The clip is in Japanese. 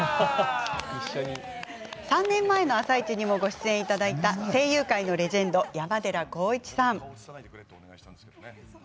３年前に「あさイチ」にもご出演いただいた声優界のレジェンド山寺宏一さん。